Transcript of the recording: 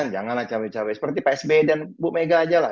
janganlah cabai cabai seperti psb dan bumega aja lah